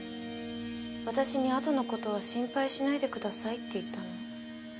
私に「後のことは心配しないでください」って言ったの。